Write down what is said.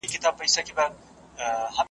ډنبار، پر دې برسېره .